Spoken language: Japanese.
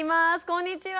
こんにちは。